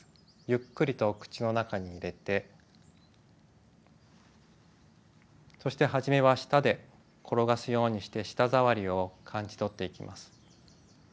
ゆっくりと口の中に入れてそしてはじめは舌で転がすようにして舌触りを感じ取っていきます。